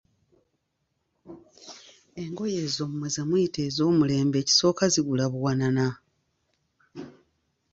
Engoye ezo mmwe zemuyita ez'omulembe ekisooka zigula buwanana.